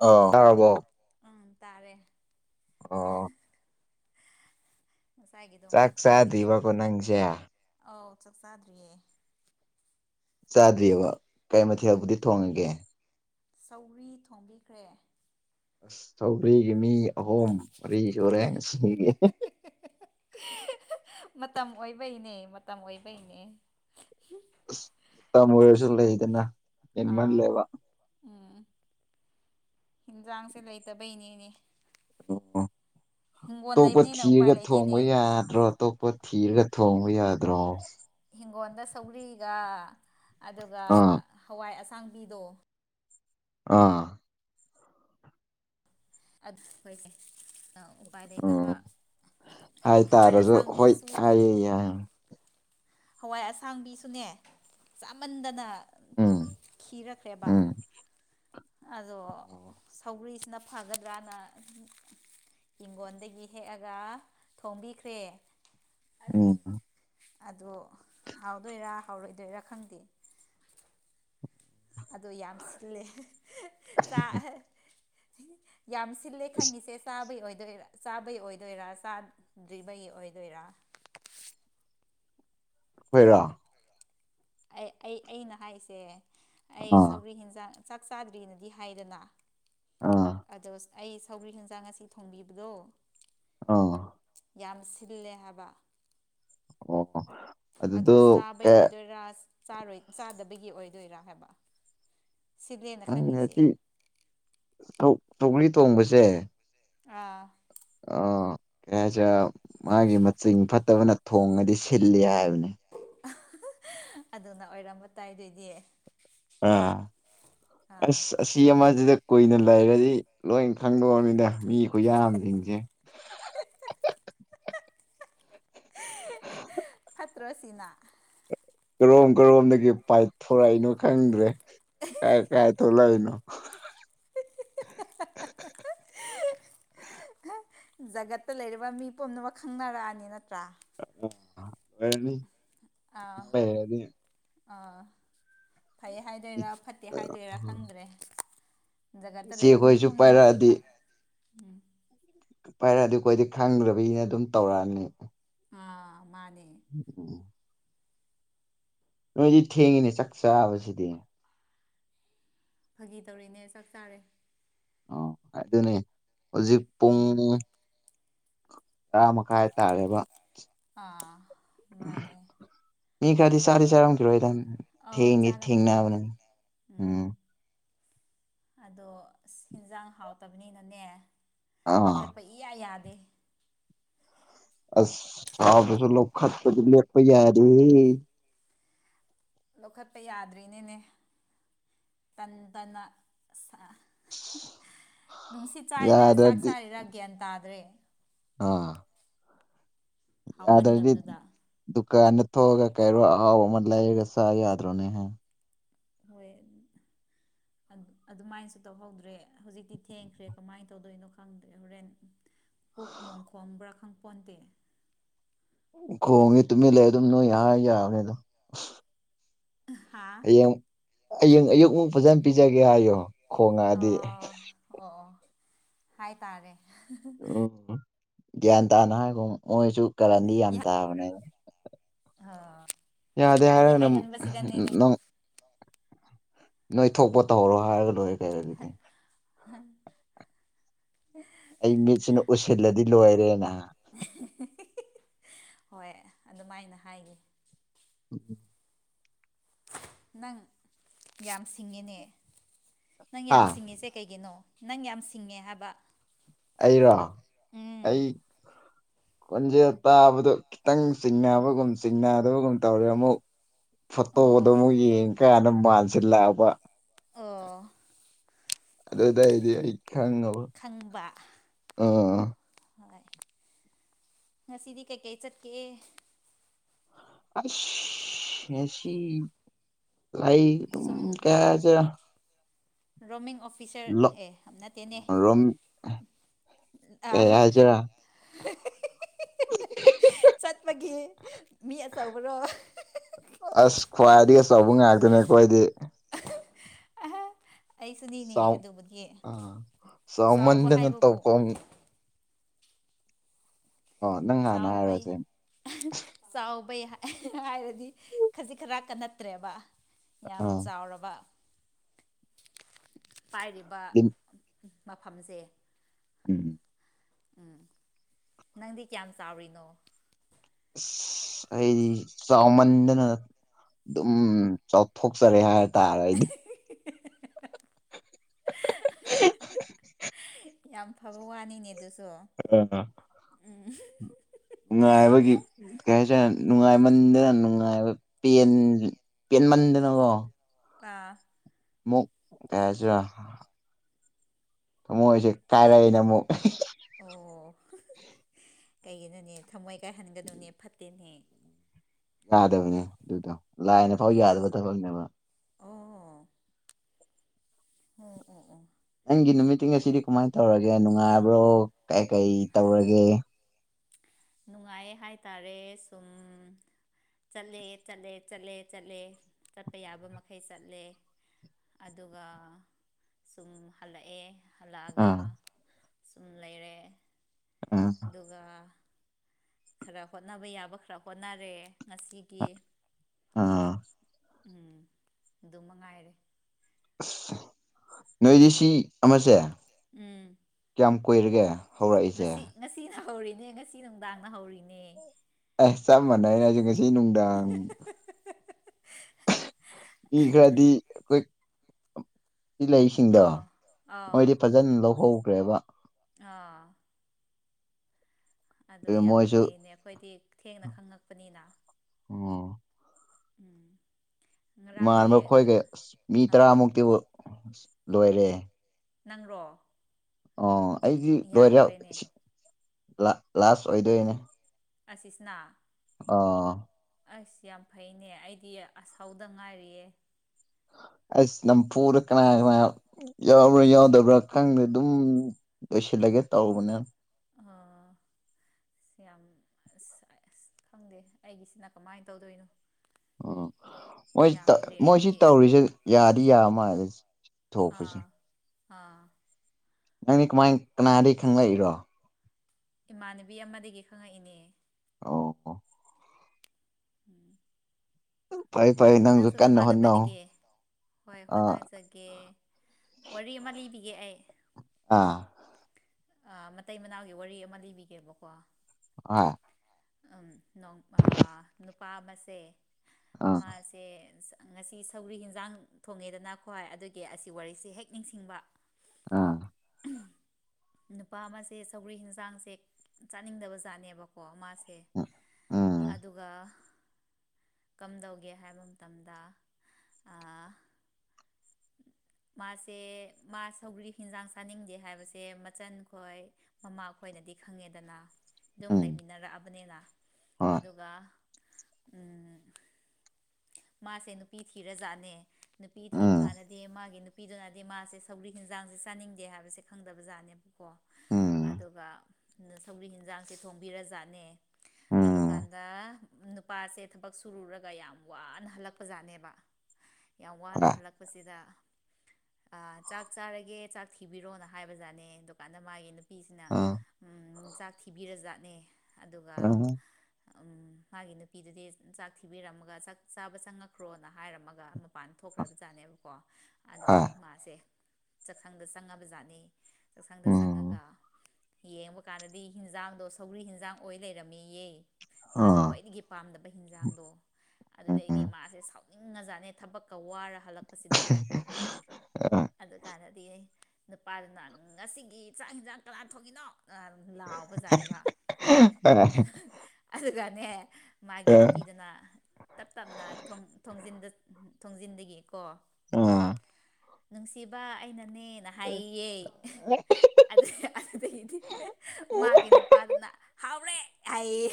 ꯑ ꯇꯥꯔꯕꯣ ꯇꯥꯔꯦ ꯑꯣ ꯉꯁꯥꯏꯒꯤꯗꯣ ꯆꯥꯛ ꯉꯥꯏꯍꯥꯛꯇꯪꯗꯒꯤ ꯆꯥꯗ꯭ꯔꯤꯕꯀꯣ ꯅꯪꯁꯦ ꯑꯧ ꯆꯥꯛ ꯆꯥꯗ꯭ꯔꯤꯌꯦ ꯆꯥꯗ꯭ꯔꯤꯑꯦꯕ ꯀꯩ ꯑꯥ ꯃꯊꯦꯜꯕꯨꯗꯤ ꯊꯣꯡꯉꯒꯦ ꯁꯧꯒ꯭ꯔꯤ ꯊꯣꯡꯕꯤꯈ꯭ꯔꯦ ꯁꯧꯒ꯭ꯔꯤꯒꯤ ꯃꯤ ꯑꯍꯨꯝ ꯃꯔꯤ ꯁꯨꯔꯦ ꯉꯁꯤꯒꯤ ꯃꯇꯝ ꯑꯣꯏꯕꯩꯅꯦ ꯃꯇꯝ ꯑꯣꯏꯕꯩꯅꯦ ꯑꯁ ꯃꯇꯝ ꯑꯣꯏꯔꯁꯨ ꯂꯩꯗꯅ ꯑꯥ ꯍꯦꯟꯃꯜꯂꯦꯕ ꯎꯝ ꯍꯦꯟꯖꯥꯡꯁꯦ ꯂꯩꯇꯕꯩꯅꯤꯅꯦ ꯑꯇꯣꯞꯄ ꯂꯩꯕꯅꯤꯅ ꯎꯄꯥꯏ ꯊꯤꯔꯒ ꯊꯣꯡꯕ ꯂꯩꯇꯦꯅꯦ ꯌꯥꯗ꯭ꯔꯣ ꯑꯇꯣꯞꯄ ꯊꯤꯔꯒ ꯊꯣꯡꯕ ꯌꯥꯗ꯭ꯔꯣ ꯏꯪꯈꯣꯜꯗ ꯁꯧꯒ꯭ꯔꯤꯒ ꯑꯗꯨꯒ ꯑꯥ ꯍꯋꯥꯏ ꯑꯁꯥꯡꯕꯤꯗꯣ ꯑꯥ ꯑꯗꯨ ꯑꯣꯏꯌꯦ ꯎꯄꯥꯏ ꯂꯩꯇꯕ ꯎꯝ ꯍꯋꯥꯏ ꯍꯥꯏꯇꯥꯔꯁꯨ ꯍꯣꯏ ꯑꯁꯥꯡꯕꯤꯁꯨ ꯍꯥꯏꯌꯦ ꯌꯥꯏ ꯍꯋꯥꯏ ꯑꯁꯥꯡꯕꯤꯁꯨꯅꯦ ꯆꯥꯃꯟꯗꯅ ꯎꯝ ꯈꯤꯔꯛꯈ꯭ꯔꯦꯕ ꯎꯝ ꯑꯗꯣ ꯁꯧꯒ꯭ꯔꯤꯁꯤꯅ ꯐꯒꯗ꯭ꯔꯅ ꯍꯤꯡꯒꯣꯜꯗꯒꯤ ꯍꯦꯛꯑꯒ ꯊꯣꯡꯕꯤꯈ꯭ꯔꯦ ꯎꯝ ꯑꯗꯣ ꯍꯥꯎꯗꯣꯏꯔꯥ ꯍꯥꯎꯔꯣꯏꯗꯣꯏꯔꯥ ꯈꯪꯗꯦ ꯑꯗꯣ ꯌꯥꯝ ꯁꯤꯜꯂꯦ ꯆꯥ ꯌꯥꯝ ꯁꯤꯜꯂꯦ ꯑꯁ ꯈꯪꯉꯤꯁꯦ ꯆꯥꯕꯩ ꯑꯣꯏꯗꯣꯏꯔꯥ ꯆꯥꯕꯩ ꯑꯣꯏꯗꯣꯏꯔꯥ ꯆꯥꯗ꯭ꯔꯤꯕꯒꯤ ꯑꯣꯏꯗꯣꯏꯔꯥ ꯈꯣꯏꯔꯣ ꯑꯩ ꯑꯩ ꯑꯩꯅ ꯍꯥꯏꯁꯦ ꯑꯩ ꯑꯥ ꯁꯧꯒ꯭ꯔꯤ ꯍꯦꯟꯖꯥꯡ ꯆꯥꯛ ꯆꯥꯗ꯭ꯔꯤꯅꯗꯤ ꯍꯥꯏꯗꯅ ꯑꯥ ꯑꯗꯣ ꯑꯩ ꯁꯧꯒ꯭ꯔꯤ ꯍꯦꯟꯖꯥꯡ ꯉꯁꯤ ꯊꯣꯡꯕꯤꯕꯗꯣ ꯑꯥ ꯌꯥꯝ ꯁꯤꯜꯂꯦ ꯍꯥꯏꯕ ꯑꯣ ꯑꯣ ꯑꯗꯨ ꯆꯥꯕꯩ ꯑꯣꯏꯗꯣꯏꯔꯥ ꯆꯥꯗꯕꯒꯤ ꯑꯣꯏꯗꯣꯏꯔꯥ ꯍꯥꯏꯕ ꯁꯤꯜꯂꯦꯅ ꯪ ꯈꯪꯉꯤꯁꯦ ꯉꯁꯤ ꯁꯧꯒꯔꯤ ꯊꯣꯡꯕꯁꯦ ꯑꯥ ꯑ ꯀꯩ ꯍꯥꯏꯁꯦ ꯃꯥꯒꯤ ꯃꯆꯤꯡ ꯐꯠꯇꯕꯅꯥ ꯊꯣꯡꯉꯗꯤ ꯁꯤꯜꯂꯤ ꯍꯥꯏꯕꯅꯤ ꯑꯗꯨꯅ ꯑꯣꯏꯔꯝꯕ ꯇꯥꯏ ꯑꯗꯣꯏꯗꯤ ꯑꯥ ꯑꯁ ꯑꯁꯤ ꯑꯃꯁꯤꯗ ꯀꯨꯏꯅ ꯂꯩꯔꯗꯤ ꯂꯣꯏ ꯈꯪꯗꯣꯛꯑꯅꯤꯗ ꯃꯤ ꯈꯨꯌꯥꯝꯁꯤꯡꯁꯦ ꯐꯠꯇ꯭ꯔꯣꯑꯁꯤꯅ ꯀꯔꯣꯝ ꯀꯔꯣꯝꯗꯒꯤ ꯄꯥꯏ ꯊꯣꯔꯛꯏꯅꯣ ꯈꯪꯗ꯭ꯔꯦ ꯀꯥꯏ ꯀꯥꯏ ꯊꯣꯛꯂꯛꯏꯅꯣ [unintelligible] ꯖꯒꯠꯇꯥ ꯂꯩꯔꯤꯕ ꯃꯤ ꯄꯨꯝꯅꯃꯛ ꯈꯪꯅꯔꯛꯑꯅꯤ ꯅꯠꯇ꯭ꯔꯥ ꯑ ꯀꯅꯤ [unintelligible] ꯑꯥ ꯑꯥ ꯐꯩ ꯍꯥꯏꯗꯣꯏꯔꯥ ꯐꯠꯇꯦ ꯍꯥꯏꯗꯣꯏꯔꯥ ꯈꯪꯗ꯭ꯔꯦ ꯖꯒꯠꯇ ꯏꯆꯦ ꯂꯩꯕ ꯃꯤ ꯈꯣꯏꯁꯨ ꯄꯨꯝꯅꯃꯛꯇꯤ ꯄꯥꯏꯔꯛꯑꯗꯤ ꯈꯪ ꯎꯝ ꯄꯥꯏꯔꯛꯑꯗꯤ ꯑꯈꫭꯏꯗꯤ ꯈꯪꯗ꯭ꯔꯕꯒꯤꯅ ꯑꯗꯨꯝ ꯇꯧꯔꯛꯑꯅꯤ ꯑꯥ ꯃꯥꯅꯦ [unintelligible] ꯅꯣꯏꯗꯤ ꯊꯦꯡꯉꯤꯅꯦ ꯆꯥꯛ ꯆꯥꯕꯁꯤꯗꯤ ꯐꯥꯒꯤ ꯇꯧꯔꯤꯅꯦ ꯆꯥꯛ ꯆꯥꯔꯦ ꯑꯥ ꯑꯗꯨꯅꯦ ꯍꯧꯖꯤꯛ ꯎꯝ ꯄꯨꯡ ꯇꯔꯥ ꯃꯈꯥꯏ ꯇꯥꯔꯦꯕ ꯑꯥ ꯃꯥꯅꯦ ꯃꯤ ꯈꯔꯗꯤ ꯆꯥꯔꯗꯤ ꯆꯥꯔꯝꯈꯤꯔꯣꯏꯗ ꯑꯧ ꯊꯦꯡꯗꯤ ꯆꯥꯔꯝꯈꯤꯔꯣꯏ ꯊꯦꯡꯅꯕꯅꯦ ꯎꯝ ꯑꯗꯣ ꯑꯁ ꯍꯦꯟꯖꯥꯡ ꯍꯥꯎꯇꯕꯅꯤꯅꯅꯦ ꯑꯥ ꯂꯧꯈꯠꯄ ꯏꯌꯥ ꯌꯥꯗꯦ ꯑꯁ ꯍꯥꯎꯇ꯭ꯔꯥꯁꯨ ꯂꯧꯈꯠꯄꯗꯤ ꯂꯦꯛꯄ ꯌꯥꯗꯤꯌ‌ꯦ ꯂꯧꯈꯠꯄ ꯌꯥꯗ꯭ꯔꯤꯅꯤꯅꯦ ꯇꯟ ꯇꯟꯅꯥ ꯅꯨꯡꯁꯤꯠ ꯆꯥꯔꯤꯔꯥ ꯆꯥꯛ ꯌꯥꯗ꯭ꯔꯗꯤ ꯆꯥꯔꯤꯔꯥ ꯒ꯭ꯌꯥꯟ ꯇꯥꯗ꯭ꯔꯦ ꯑꯥ ꯌꯗꯔꯥꯗꯤ ꯍꯥꯎꯃꯟꯗꯕꯗꯨꯗ ꯗꯨꯀꯥꯟꯗꯥ ꯊꯣꯛꯒ ꯀꯩꯅꫭ ꯑꯥꯎꯕ ꯑꯃꯥ ꯂꯩꯔꯒ ꯆꯕꯥ ꯌꯥꯗꯔꯣꯅꯦ ꯍꯥ ꯃꫭꯏ ꯑꯅꯤ ꯑꯗꯨꯃꯥꯏꯅꯁꯨ ꯇꯧꯍꯧꯗ꯭ꯔꯦ ꯍꯧꯖꯤꯛꯇꯤ ꯊꯦꯡꯈ꯭ꯔꯦ ꯀꯃꯥꯏꯅ ꯇꯧꯗꯣꯏꯅꯣ ꯈꯪꯗ꯭ꯔꯦ ꯍꯣꯔꯦꯟ ꯄꯨꯛ ꯅꯨꯡ ꯈꯣꯡꯕ꯭ꯔꯥ ꯈꯪꯄꯣꯟꯇ‌ꯦ ꯈꯣꯡꯉꯤ ꯇꯨꯃꯤꯟ ꯂꯩ ꯑꯗꯨꯝ ꯅꯣꯏ ꯌꯥ [unintelligible] ꯌꯥꯕꯅꯤ ꯑꯗꯨꯝ ꯍꯥ ꯍꯌꯦꯡ ꯍꯌꯦꯡ ꯑꯌꯨꯛꯃꯨꯛ ꯐꯖꯅ ꯄꯤꯖꯒꯦ ꯍꯥꯏꯌꯣ ꯈꯣꯡꯉꯛꯑꯗꯤ ꯑꯣ ꯑꯣ ꯑꯣ ꯍꯥꯏꯇꯥꯔꯦ ꯎꯝ ꯒ꯭ꯌꯥꯟ ꯇꯥꯅ ꯍꯥꯏꯈꯣ ꯃꯣꯏꯁꯨ ꯀꯔꯟꯗꯤ ꯌꯥꯝ ꯇꯥꯕꯅꯦ ꯑꯥ ꯌꯥꯗꯦ ꯌꯥꯗ‌ꯦ ꯍꯥꯏꯔꯒꯅ ꯍꯥꯏꯒꯟꯕꯁꯤꯗꯅꯤꯅꯦ ꯅꯣꯏꯊꯣꯛꯄꯥ [unintelligible] ꯑꯩ ꯃꯤꯠꯁꯤꯅ ꯎꯨꯏꯁꯤꯜꯂꯗꯤ ꯂꯣꯏꯔꯦꯅꯍꯥ ꯍꯣꯏ ꯑꯗꯨꯃꯥꯏꯅ ꯍꯥꯏꯒ‌ꯦ ꯎꯝꯝ [unintelligible] ꯅꯪ ꯌꯥꯝ ꯁꯤꯡꯉꯤꯅꯦ ꯅꯪ ꯍꯥ ꯌꯥꯝ ꯁꯤꯡꯉꯤꯁꯦ ꯀꯩꯒꯤꯅꯣ ꯅꯪ ꯌꯥꯝ ꯁꯤꯡꯉꯦ ꯍꯥꯏꯕ ꯑꯩꯔꯣ ꯎꯝ ꯑꯩ ꯈꯣꯟꯖꯦꯜ ꯇꯥꯕꯗꯣ ꯈꯤꯇꯪ ꯆꯤꯡꯅꯕꯒꯨꯝ ꯆꯤꯡꯅꯗꯕꯒꯨꯝ ꯇꯧꯔꯦ ꯑꯃꯨꯛ ꯐꯣꯇꯣꯗꯣ ꯑꯣ ꯑꯃꯨꯛ ꯌꯦꯡ ꯀꯅ ꯃꯥꯟꯁꯤꯜꯂꯛꯑꯕ ꯑꯣ ꯑꯗꯨꯗꯩꯗꯤ ꯑꯩ ꯈꯡꯉꯕ ꯈꯪꯕꯥ ꯍꯣꯏ ꯉꯁꯤꯗꯤ ꯀꯩꯀꯩ ꯆꯠꯀꯦ ꯑꯁ ꯉꯁꯤ ꯂꯩꯥꯏ ꯗꯨꯝ ꯁꯨꯝ ꯀꯩꯍꯥꯏꯖꯤꯔꯥ ꯔꯣꯃꯤꯡ ꯑꯣꯐ ꯑꯣꯐꯤꯁꯔ ꯂꯣ ꯑꯦ ꯅꯠꯇꯦꯅꯦ ꯔꯣꯝ ꯀꯩ ꯑꯍꯥ ꯍꯥꯏꯁꯤꯔꯥ ꯆꯠꯄꯒꯤ ꯃꯤ ꯑꯆꯧꯕ꯭ꯔꯣ ꯑꯁ ꯈ꯭ꯋꯥꯏꯗꯒꯤ ꯑꯆꯧꯕ ꯉꯥꯛꯇꯅꯦ ꯑꯩꯈꯣꯏꯗꯤ ꯑꯩꯁꯨꯅꯤꯅꯦ ꯆꯥꯎ ꯑꯗꯨꯕꯨꯗꯤ ꯑꯥ ꯆꯥꯎꯕ ꯆꯥꯎꯃꯟꯗꯅ ꯍꯥꯏꯕꯕꯨ ꯇꯧꯐꯝ ꯑꯣ ꯅꯪ ꯍꯥꯟꯅ ꯆꯥꯎꯕꯩ ꯍꯥꯏꯔꯣꯁꯦ ꯆꯥꯎꯕꯩ ꯍꯥꯏꯔꯗꯤ ꯈꯖꯤꯛ ꯈꯔꯥꯛꯀ ꯅꯠꯇ꯭ꯔꯦꯕ ꯌꯥꯝ ꯑꯥ ꯆꯥꯎꯔꯕ ꯄꯥꯏꯔꯤꯕ ꯃꯐꯝꯁꯦ [inaudible] ꯎꯝ ꯅꯪꯗꯤ ꯀꯌꯥꯝ ꯆꯥꯎꯔꯤꯅꯣ ꯑꯁ ꯑꯩꯗꯤ ꯆꯥꯎꯃꯟꯗꯅ ꯑꯗꯨꯝ ꯆꯥꯎꯊꯣꯛꯆꯔꯦ ꯍꯥꯏꯇꯥꯔꯦ ꯑꯩꯗꯤ [inaudible] ꯌꯥꯝ ꯐꯕ ꯋꯥꯅꯤꯅꯦ ꯑꯗꯨꯁꯨ [inaudible] ꯎꯝ ꯅꯨꯡꯉꯥꯏꯕꯒꯤ ꯀꯩ ꯍꯥꯏꯁꯦꯔꯥ ꯅꯨꯡꯉꯥꯏꯃꯟꯗꯅ ꯅꯨꯡꯉꯥꯏꯕ ꯄꯦꯟ ꯄꯦꯟ ꯃꯟ ꯗꯅꯒꯣ ꯑꯥ ꯃꯣꯛ ꯀꯩ ꯍꯥꯏꯁꯦꯔꯥ ꯊꯃꯣꯏꯁꯦ ꯀꯥꯏꯔꯦ ꯑꯩꯅ ꯑꯃꯨꯛ ꯑꯣ ꯀꯩꯒꯤꯅꯣꯅꯦ ꯊꯝꯃꯣꯏ ꯀꯥꯏꯍꯟꯒꯅꯨꯅꯦ ꯐꯠꯇꯦꯅꯦ ꯌꯥꯗꯕꯅꯦ ꯑꯗꯨꯗꯣ ꯂꯥꯏꯅ ꯐꯥꯎ ꯑꯣ ꯌꯥꯗꯕ ꯊꯕꯛꯅꯦꯕ ꯑꯣ ꯎꯝ ꯎꯝ ꯎꯝ ꯅꯪꯒꯤ ꯅꯨꯃꯤꯠꯇꯤꯡ ꯑꯁꯤꯗꯤ ꯀꯃꯥꯏꯅ ꯇꯧꯔꯒꯦ ꯅꯨꯡꯉꯥꯏꯕ꯭ꯔꯣ ꯀꯩ ꯀꯩ ꯇꯧꯔꯒꯦ ꯅꯨꯡꯉꯥꯏꯌꯦ ꯍꯥꯏꯇꯥꯔꯦ ꯁꯨꯝ ꯆꯠꯂꯦ ꯆꯠꯂꯦ ꯆꯠꯂꯦ ꯆꯠꯂꯦ ꯆꯠꯄ ꯌꯥꯕ ꯃꯈꯩ ꯆꯠꯂꯦ ꯑꯗꯨꯒ ꯁꯨꯝ ꯍꯜꯂꯛꯑꯦ ꯍꯜꯂꯛꯑꯒ ꯑꯥ ꯁꯨꯝ ꯂꯩꯔꯦ ꯑꯥ ꯑꯗꯨꯒ ꯈꯔ ꯍꯣꯠꯅꯕ ꯌꯥꯕ ꯈꯔ ꯍꯣꯠꯅꯔꯦ ꯉꯁꯤꯒꯤ ꯑꯥ ꯎꯝ ꯑꯗꯨ ꯃꯉꯥꯏꯔꯦ ꯑꯁ ꯅꯣꯏꯗꯤ ꯁꯤ ꯑꯃꯁꯦ ꯎꯝ ꯀꯌꯥꯝ ꯀꯨꯏꯔꯒꯦ ꯍꯧꯔꯛꯏꯁꯦ ꯉꯁꯤ ꯉꯁꯤꯅ ꯍꯧꯔꯤꯅꯦ ꯉꯁꯤ ꯅꯨꯡꯗꯥꯡꯅ ꯍꯧꯔꯤꯅꯦ ꯑꯦ ꯆꯞ ꯃꯥꯟꯅꯩ ꯑꯩꯁꯨ ꯉꯁꯤ ꯅꯨꯡꯗꯥꯡ ꯃꯤ ꯈ꯭ꯔꯗꯤ ꯑꯩꯈꯣꯏ ꯂꯩꯁꯤꯡꯗꯣ ꯑꯥꯎ ꯑꯥꯎ ꯃꯣꯏꯗꯤ ꯐꯖ ꯐꯖꯅ ꯂꯧꯍꯧꯈ꯭ꯔꯦꯕ ꯑꯥ ꯑꯗꯨ ꯌꯥꯝ ꯐꯩꯅꯦ ꯑꯩꯈꯣꯏꯗꯤ ꯊꯦꯡꯅ ꯈꯪꯉꯛꯄꯅꯤꯅ ꯑꯝ ꯎꯝ ꯉꯔꯥꯡꯗꯤ ꯏꯃꯥꯟꯅꯕ ꯈꯣꯏꯒ ꯑꯁ ꯃꯤ ꯑꯥ ꯇꯔꯥꯃꯨꯛꯇꯤ ꯂꯣꯏꯔꯦ ꯅꯪꯔꯣ ꯑꯣ ꯑꯩꯗꯤ ꯂꯣꯏꯔꯦ ꯌꯥꯝꯈ꯭ꯔꯦꯅꯦ ꯂꯥ ꯂꯥꯁ ꯑꯣꯏꯗꯣꯏꯅꯦ ꯑꯁꯤꯁꯅꯥ ꯑꯥ ꯑꯁ ꯌꯥꯝ ꯐꯩꯅꯦ ꯑꯩꯗꯤ ꯑꯁ ꯍꯧꯗ ꯉꯥꯏꯔꯤꯌꯦ ꯑꯁ ꯅꯝꯐꯨꯗ ꯀꯅꯥ ꯀꯅꯥ ꯌꯥꯎꯕ꯭ꯔꯥ ꯌꯥꯎꯗꯕ꯭ꯔꯥ ꯈꯪꯗ꯭ꯔꯦ ꯑꯗꯨꯝ ꯂꯣꯏꯁꯤꯜꯂꯒꯦ ꯇꯧꯕꯅꯦ ꯑꯥ ꯌꯥꯝ ꯑꯁ ꯑꯁ ꯈꯪꯗꯦ ꯑꯩꯒꯤꯁꯤꯅ ꯀꯃꯥꯏꯟ ꯇꯧꯗꯣꯏꯅꯣ ꯑꯥ ꯃꯣꯏ ꯌꯥꯝꯗ꯭ꯔꯤ ꯃꯣꯏ ꯁꯤ ꯑꯩꯒꯤꯗꯤ ꯇꯧꯔꯤꯁꯦ ꯌꯥꯗꯤ ꯌꯥ ꯃꯥꯜꯗꯦ ꯊꯣꯛꯄꯁꯦ ꯑꯥ ꯑꯥ ꯅꯪꯗꯤ ꯀꯃꯥꯏꯟ ꯀꯅꯥꯗꯩ ꯈꯪꯂꯛꯏꯔꯣ ꯏꯃꯥꯟꯅꯕꯤ ꯑꯃꯥꯗꯒꯤ ꯈꯪꯉꯛꯏꯅꯦ ꯑꯣ ꯑꯣ ꯎꯝ ꯄꯥꯏ ꯄꯥꯏ ꯅꯪꯁꯨ ꯅꯃꯥꯟꯅꯕꯗꯒꯤ ꯍꯣꯏ ꯑꯥ ꯍꯣꯠꯅꯖꯒꯦ ꯋꯥꯔꯤ ꯑꯃ ꯂꯤꯕꯤꯒꯦ ꯑꯩ ꯍꯥ ꯑꯥ ꯃꯇꯩ ꯃꯅꯥꯎꯒꯤ ꯋꯥꯔꯤ ꯑꯃꯥ ꯂꯤꯕꯤꯒꯦꯕꯀꯣ ꯑꯥ ꯎꯝ ꯅꯣꯡ ꯑꯥ ꯅꯨꯄꯥ ꯑꯃꯥꯁꯦ ꯑꯥ ꯃꯥ ꯁꯦ ꯉꯁꯤ ꯁꯧꯒ꯭ꯔꯤ ꯍꯦꯟꯖꯥꯡ ꯊꯣꯡꯉꯦꯗꯅ ꯑꯈꯣꯏ ꯑꯗꯨꯒꯤ ꯑꯁꯤ ꯋꯥꯔꯤꯁꯦ ꯍꯦꯛ ꯅꯤꯡꯁꯤꯡꯕ ꯑꯥ ꯅꯨꯄꯥ ꯑꯃꯁꯦ ꯁꯧꯒ꯭ꯔꯤ ꯍꯦꯟꯖꯥꯡꯁꯦ ꯆꯥꯅꯤꯡꯗꯕ ꯖꯥꯠꯅꯦꯕꯀꯣ ꯃꯥꯁ ꯁꯦ ꯎꯝ ꯑꯗꯨꯒ ꯀꯝꯗꯧꯒꯦ ꯍꯥꯏꯕ ꯃꯇꯝꯗ ꯑꯥ ꯃꯥꯁꯦ ꯃꯥ ꯁꯧꯒ꯭ꯔꯤ ꯍꯤꯟꯖꯥꯡ ꯆꯥꯅꯤꯡꯗꯦ ꯍꯥꯏꯕꯁꯦ ꯃꯆꯟ ꯈꯣꯏ ꯃꯃꯥ ꯈꯣꯏꯅꯗꯤ ꯈꯪꯉꯦꯗꯅ ꯑꯗꯨꯝ ꯎꯝ ꯂꯩꯃꯤꯟꯅꯔꯛꯑꯕꯅꯤꯅ ꯍꯣꯏ ꯑꯗꯨꯒ ꯑꯝ ꯃꯥꯁꯦ ꯅꯨꯄꯤ ꯊꯤꯔꯖꯥꯠꯅꯦ ꯅꯨꯄꯤ ꯊꯤꯕ ꯎꯝ ꯀꯥꯟꯗꯗꯤ ꯃꯥꯒꯤ ꯅꯨꯄꯤꯗꯨꯅꯗꯤ ꯃꯥꯁꯦ ꯁꯧꯒ꯭ꯔꯤ ꯍꯤꯟꯖꯥꯡꯁꯦ ꯆꯥꯅꯤꯡꯗꯦ ꯍꯥꯏꯕꯁꯦ ꯈꯪꯗꯕ ꯖꯥꯠꯅꯦꯕ ꯀꯣ ꯎꯝ ꯑꯗꯨꯒ ꯁꯧꯒ꯭ꯔꯤ ꯍꯦꯟꯖꯥꯡꯁꯦ ꯊꯣꯡꯕꯤꯔ ꯖꯥꯠꯅꯦ ꯎꯝ ꯑꯗꯨꯀꯥꯟꯗ ꯅꯨꯄꯥꯁꯦ ꯊꯥꯕꯛ ꯁꯨꯔꯨꯔꯒ ꯌꯥꯝ ꯋꯥꯅ ꯍꯜꯂꯛꯄ ꯖꯥꯠꯅꯦꯕ ꯌꯥꯝ ꯋꯥꯅ ꯍꯣꯏ ꯍꯜꯂꯛ ꯄꯨꯁꯤꯗ ꯑꯥ ꯆꯥꯛ ꯆꯥꯔꯒꯦ ꯆꯥꯛ ꯊꯤꯕꯤꯔꯣꯅ ꯍꯥꯏꯕ ꯖꯥꯠꯅꯦ ꯑꯗꯨꯀꯥꯟꯗ ꯃꯥꯒꯤ ꯅꯨꯞ ꯄꯤꯁꯤꯅ ꯎꯝ ꯑꯝ ꯆꯥꯛ ꯊꯤꯕꯤꯔ ꯖꯥꯠꯅꯦ ꯑꯗꯨꯒ ꯎꯝ ꯍꯣꯏ ꯎꯝ ꯑꯝ ꯃꯥꯒꯤ ꯅꯨꯄꯤꯗꯨꯗꯤ ꯆꯥꯛ ꯊꯤꯕꯤꯔꯝꯃꯒ ꯆꯥꯛ ꯆꯥꯕ ꯆꯪꯉꯛꯈ꯭ꯔꯣꯅ ꯍꯥꯏꯔꯝꯃꯒ ꯃꯄꯥꯟ ꯊꯣꯛꯈ꯭ꯔꯕ ꯖꯥꯠꯅꯦꯕꯀꯣ ꯑꯗꯣ ꯑꯥ ꯃꯥꯁꯦ ꯆꯛꯈꯪꯗ ꯆꯪꯉꯕꯖꯥꯠꯅꯤ ꯆꯥꯛꯁꯥꯡꯗ ꯎꯝ ꯆꯪꯉꯒ ꯌꯦꯡꯕ ꯀꯥꯟꯗꯗꯤ ꯍꯤꯟꯖꯥꯡꯗꯣ ꯁꯧꯒ꯭ꯔꯤ ꯍꯤꯟꯖꯥꯡ ꯑꯣꯏ ꯂꯩꯔꯝꯃꯦꯌꯦ ꯃꯥꯅ ꯈ꯭ꯋꯥꯏꯗꯒꯤ ꯄꯥꯝꯗꯕ ꯍꯤꯟꯖꯥꯡꯗꯣ ꯑꯗꯨꯗꯩꯗꯤ ꯃꯥꯁꯦ ꯁꯥꯎꯅꯤꯡꯉꯖꯥꯠꯅꯦ ꯊꯕꯛꯀ ꯋꯥꯔ ꯍꯥ ꯑꯁꯤꯗ ꯑꯗꯨꯀꯥꯟꯗꯗꯤ ꯅꯨꯄꯥꯗꯨꯅ ꯉꯁꯤꯒꯤ ꯆꯥꯛ ꯌꯦꯟꯁꯥꯡ ꯀꯅꯥ ꯊꯣꯛꯏꯅꯣ ꯂꯥꯎꯕꯥꯖꯠꯅꯦꯕ ꯑꯗꯨꯒ ꯑꯗꯨꯒꯅꯦ ꯃꯥꯒꯤ ꯅꯨꯄꯤꯗꯨꯅ ꯇꯞ ꯇꯞꯅ ꯊꯣꯡ ꯊꯣꯡꯖꯤꯟꯗ ꯊꯣꯡꯖꯤꯟꯗꯒꯤꯀꯣ ꯎꯝ ꯅꯨꯡꯁꯤꯕ ꯑꯩꯅꯅꯦ ꯍꯥꯏꯌꯦꯌꯦ ꯑꯗꯨ ꯑꯗꯨꯗꯒꯤꯗꯤ ꯃꯥꯒꯤ ꯅꯨꯄꯥꯗꯨꯅ ꯍꯥꯎꯔꯦ ꯍꯥꯏꯌꯦ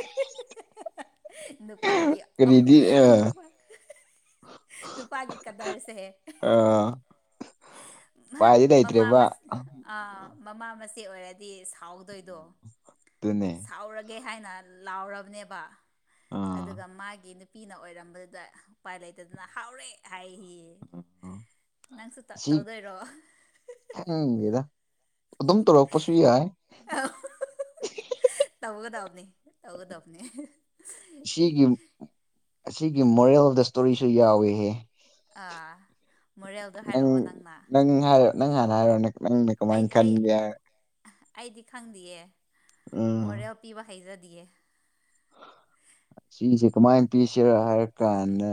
[unintelligible] ꯅꯨꯄꯥꯒꯤ ꯀꯔꯤꯗꯤ ꯑ ꯅꯨꯄꯥ ꯅꯨꯄꯥꯒꯤ ꯀꯗꯔꯁꯦ ꯑ ꯎꯄꯥꯏꯗꯤ ꯃꯃꯥ ꯂꯩꯇ꯭ꯔꯦꯕ ꯃꯁ ꯑꯥ ꯃꯃꯥ ꯃꯆꯦ ꯑꯣꯏꯔꯗꯤ ꯁꯥꯎꯗꯣꯏꯗꯣ ꯑꯗꯨꯅꯦ ꯂꯥꯎꯔꯒꯦ ꯍꯥꯏꯅ ꯂꯧꯔꯕꯅꯦꯕꯥ ꯑꯥ ꯑꯗꯨꯒꯥ ꯃꯥꯒꯤ ꯅꯨꯞ ꯄꯤꯅ ꯑꯣꯏꯔꯝꯕꯗꯨꯗ ꯎꯄꯥꯏ ꯂꯩꯇꯗꯅ ꯍꯥꯎꯔꯦ ꯍꯥꯏꯌꯦꯌꯦ ꯅꯪꯁꯨ ꯇꯧ ꯇꯧꯗꯣꯏꯔꯣ ꯈꯪꯗꯦꯗꯥ ꯑꯗꯨꯝ ꯇꯧꯔꯛꯄꯁꯨ ꯌꯥꯏ ꯑ ꯇꯧꯒꯗꯕꯅꯤ ꯇꯧꯒꯗꯕꯅꯤ ꯁꯤꯒꯤꯝ ꯑꯁꯤꯒꯤ ꯃꯣꯔꯦꯜ ꯗ ꯏꯁꯇꯣꯔꯤꯁꯨ ꯌꯥꯎꯌꯦꯍꯦ ꯑꯥ ꯃꯣꯔꯦꯜꯗꯣ ꯅꯪ ꯍꯥꯏꯔꯛꯑꯣ ꯅꯪꯅ ꯅꯪ ꯍꯥꯏꯔ ꯅꯪ ꯍꯥꯟꯅ ꯍꯥꯏꯔꯣꯅꯦ ꯅꯪꯅ ꯑꯩ ꯀꯃꯥꯏꯅ ꯑꯩ ꯈꯟꯒꯦ ꯑꯩꯗꯤ ꯈꯪꯗꯌꯦ ꯎꯝ ꯃꯣꯔꯦꯜ ꯄꯤꯕ ꯍꯩꯖꯗꯤꯌꯦ ꯁꯤꯅꯤꯁꯦ ꯀꯃꯥꯏ ꯄꯤꯁꯤꯔ ꯍꯥꯏꯔ ꯀꯥꯟꯗ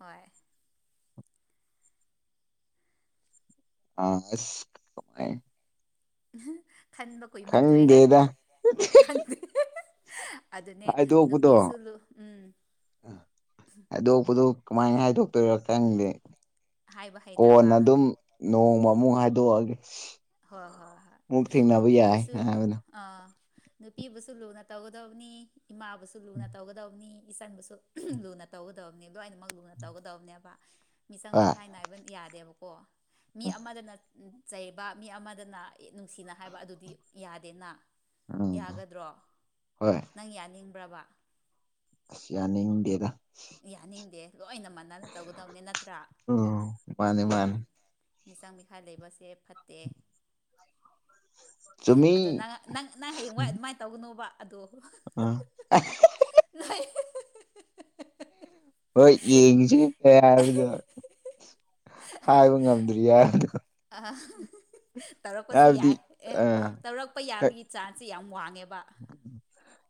ꯍꯣꯏ ꯑꯥ ꯑꯁ ꯀꯃꯥꯏ ꯈꯟꯕ ꯀꯨꯏꯃꯟꯈ꯭ꯔꯦꯍꯦ ꯈꯪꯗꯦꯗ ꯈꯪꯗꯦ ꯑꯗꯨꯅꯦ ꯍꯥꯏꯗꯣꯛꯄꯗꯣ ꯅꯨꯄꯤꯁꯨ ꯂꯨ ꯎꯝ ꯍꯥꯏꯗꯣꯛꯄꯗꯨ ꯀꯃꯥꯏꯅ ꯍꯥꯏꯗꯣꯛꯇꯣꯏꯔꯣ ꯈꯪꯗꯦ ꯍꯥꯏꯕ ꯍꯩꯇ꯭ꯔꯕ ꯀꯣꯟꯅ ꯑꯗꯨꯝ ꯅꯣꯡꯃ ꯑꯃꯨꯨꯡ ꯍꯥꯏꯗꯣꯛꯑꯒꯦ ꯍꯣꯏ ꯍꯣꯏ ꯍꯣꯏ ꯑꯃꯨꯛ ꯊꯦꯡꯅꯕ ꯌꯥꯏ ꯅꯨꯄꯤꯕꯨꯁꯨ ꯍꯥꯏꯕꯗꯣ ꯑ ꯅꯨꯄꯤꯕꯨꯁꯨ ꯂꯨꯅ ꯇꯧꯒꯗꯕꯅꯤ ꯏꯃꯥꯕꯨꯁꯨ ꯂꯨꯅ ꯇꯧꯒꯗꯕꯅꯤ ꯏꯆꯟꯕꯨꯁꯨ ꯂꯨꯅ ꯇꯧꯒꯗꯕꯅꯤ ꯂꯣꯏꯅꯃꯛ ꯂꯨꯅ ꯇꯧꯒꯗꯕꯅꯦꯕ ꯃꯤꯆꯪ ꯍꯣꯏ ꯃꯤꯈꯥꯏ ꯅꯥꯏꯕ ꯌꯥꯗꯦꯕꯀꯣ ꯃꯤ ꯑꯃꯗꯅ ꯆꯩ ꯕ ꯃꯤ ꯑꯃꯗꯅ ꯅꯨꯡꯁꯤꯅ ꯍꯥꯏꯕ ꯑꯗꯨꯗꯤ ꯌꯥꯗꯦꯅ ꯎꯝ ꯌꯥꯒꯗ꯭ꯔꯣ ꯍꯣꯏ ꯅꯪ ꯌꯥꯅꯤꯡꯕ꯭ꯔꯕ ꯑꯁ ꯌꯥꯅꯤꯡꯗꯦꯗ ꯌꯥꯅꯤꯡꯗꯦ ꯂꯣꯏꯅ ꯃꯥꯟꯅꯅ ꯇꯧꯒꯗꯕꯅꯦ ꯅꯠꯇ꯭ꯔꯥ ꯎꯝ ꯃꯥꯅꯦ ꯎꯝ ꯃꯥꯅꯦ ꯃꯤꯆꯥꯡ ꯃꯤꯈꯥꯏ ꯂꯩꯕꯁꯦ ꯐꯠꯇꯦ ꯆꯨꯝꯃꯤ ꯑꯗꯣ ꯅꯪ ꯅꯪ ꯅꯪ ꯍꯌꯦꯡꯋꯥꯏ ꯑꯗꯨꯃꯥꯏꯅ ꯇꯧꯒꯅꯣꯕ ꯑꯗꯣ ꯑ ꯅꯣꯏ ꯍꯣꯏ ꯌꯦꯡꯉꯤꯁꯦ ꯀꯩꯍꯥꯏꯗꯣꯏꯅꯣ ꯍꯥꯏꯕ ꯉꯝꯗ꯭ꯔꯤ ꯍꯥꯏꯕꯗꯣ ꯑ ꯇꯧꯔꯛꯄꯁꯨ ꯍꯥꯏꯕꯗꯤ ꯌꯥꯏ ꯑꯦ ꯑꯥ ꯇꯧꯔꯛꯄ ꯌꯥꯕꯒꯤ ꯆꯥꯟꯁꯁꯦ ꯌꯥꯝ ꯋꯥꯡꯉꯦꯕ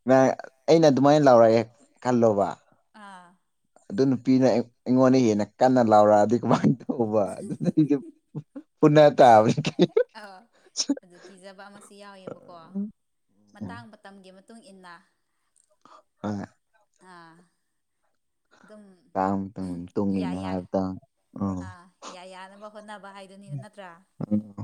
ꯅ ꯑꯩꯅ ꯑꯗꯨꯃꯥꯏꯅ ꯂꯥꯎꯔꯒꯦ ꯈꯜꯂꯣꯕ ꯑꯥ ꯑꯗꯨ ꯅꯨꯄꯤꯅ ꯑꯩꯉꯣꯟꯗꯏ ꯍꯦꯟꯅ ꯀꯟꯅ ꯂꯥꯎꯔꯛꯑꯗꯤ ꯀꯃꯥꯏ ꯇꯧꯕ ꯑꯗꯨ ꯒꯨꯅꯠ ꯑꯥ ꯀꯤꯖꯕ ꯑꯃꯁꯨ ꯌꯥꯎꯋꯦꯕꯀꯣ ꯃꯇꯥꯡ ꯃꯇꯝꯒꯤ ꯃꯇꯨꯡ ꯏꯟꯅ ꯍꯣꯏ ꯑꯥ ꯗꯨꯝ ꯇꯥꯡ ꯇꯨꯡ ꯇꯨꯡ ꯌꯥ ꯏꯟꯅ ꯌꯥ ꯍꯥꯏꯕ ꯇꯥꯡ ꯎꯝ ꯑꯥ ꯌꯥ ꯌꯥꯅꯕꯀꯣ ꯍꯣꯠꯅꯕ ꯍꯥꯏꯗꯨꯅꯤ ꯅꯠꯇ꯭ꯔꯥ [inaudible]